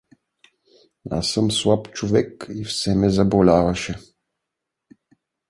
Аз съм слаб човек и все ме заболяваше.